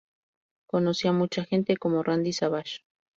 Conocí a mucha gente, como Randy Savage.